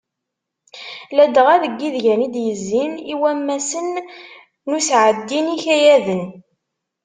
Ladɣa deg yidgan i d-yezzin i wammasen n usɛeddi n yikayaden.